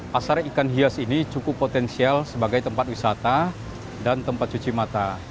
pasar ikan hias ini cukup potensial sebagai tempat wisata dan tempat cuci mata